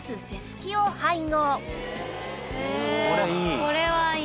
これいい。